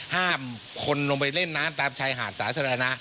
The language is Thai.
ห้ามคนลงไปเล่นน้ำตามชายหาดสาธารณะ